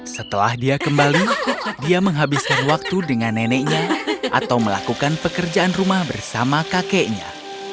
setelah dia kembali dia menghabiskan waktu dengan neneknya atau melakukan pekerjaan rumah bersama kakeknya